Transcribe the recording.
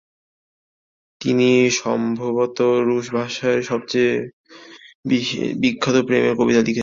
তিনি সম্ভবত রুশ ভাষার সবচেয়ে বিখ্যাত প্রেমের কবিতা লিখেছেন।